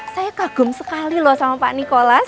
saya kagum sekali loh sama pak nikolas